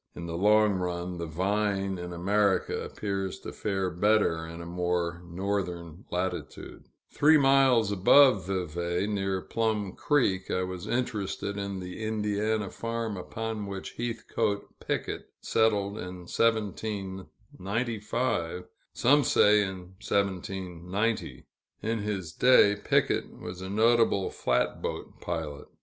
In the long run, the vine in America appears to fare better in a more northern latitude. Three miles above Vevay, near Plum Creek, I was interested in the Indiana farm upon which Heathcoat Picket settled in 1795 some say in 1790. In his day, Picket was a notable flatboat pilot.